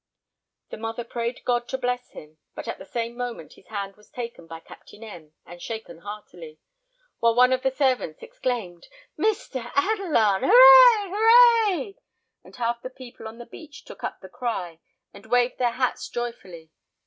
The woman prayed God to bless him; but at the same moment his hand was taken by Captain M , and shaken heartily, while one of the servants exclaimed, "Mr. Adelon! hurrah! hurrah!" and half the people on the beach took up the cry, and waved their hats joyfully.